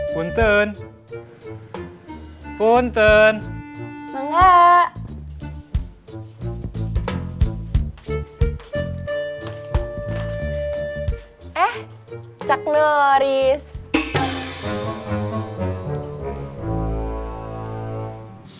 punten punten enggak eh cak nuris